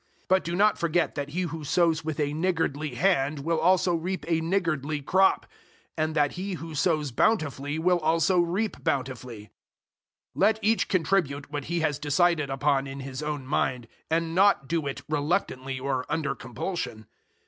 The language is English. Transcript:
009:006 But do not forget that he who sows with a niggardly hand will also reap a niggardly crop, and that he who sows bountifully will also reap bountifully. 009:007 Let each contribute what he has decided upon in his own mind, and not do it reluctantly or under compulsion.